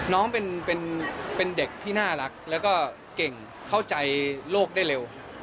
น้องเป็นเด็กที่น่ารักแล้วก็เก่งเข้าใจโลกได้เร็ว